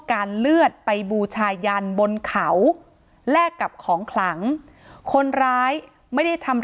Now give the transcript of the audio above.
เลือดไปบูชายันบนเขาแลกกับของขลังคนร้ายไม่ได้ทำ